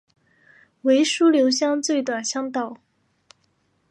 为琉球乡最短乡道。